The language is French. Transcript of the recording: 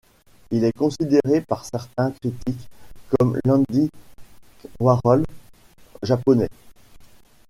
Il est considéré par certains critiques comme l’Andy Warhol japonais.